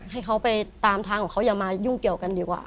ให้เขาไปตามทางของเขาอย่ามายุ่งเกี่ยวกันดีกว่า